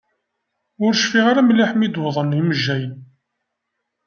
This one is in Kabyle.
Ur cfiɣ ara mliḥ mi d-uwḍen yimejjayen.